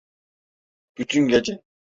Bütün gece.